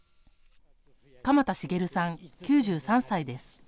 鎌田繁さん、９３歳です。